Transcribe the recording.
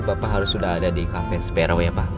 bapak harus sudah ada di cafe sparrow ya pak